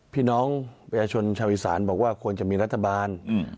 พี่น้องประชาชนชาวอีสานบอกว่าควรจะมีรัฐบาล